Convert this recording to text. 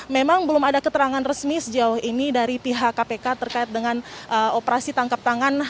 memang belum ada keterangan resmi sejauh ini dari pihak kpk terkait dengan operasi tangkap tangan